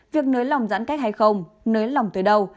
việc nới lòng giãn cách hay không nới lòng tới đâu